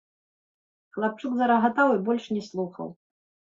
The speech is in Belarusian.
Хлапчук зарагатаў і больш не слухаў.